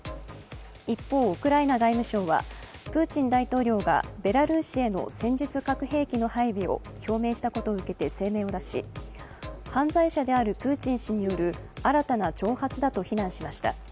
一方、ウクライナ外務省はプーチン大統領がベラルーシへの戦術核兵器の配備を表明したことを受けて声明を出し、犯罪者であるプーチン氏による新たな挑発だと非難しました。